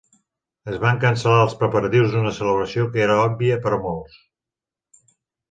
Es van cancel·lar els preparatius d'una celebració que era òbvia per a molts.